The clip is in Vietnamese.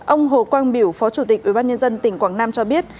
ông hồ quang biểu phó chủ tịch ubnd tỉnh quảng nam cho biết